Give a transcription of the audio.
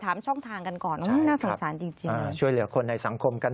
ช่องทางกันก่อนน่าสงสารจริงช่วยเหลือคนในสังคมกัน